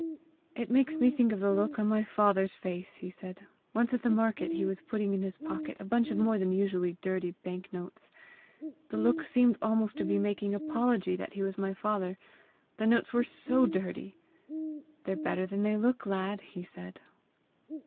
"It makes me think of the look on my father's face," he said, "once at the market, as he was putting in his pocket a bunch of more than usually dirty bank notes. The look seemed almost to be making apology that he was my father the notes were SO DIRTY! 'They're better than they look, lad!' he said."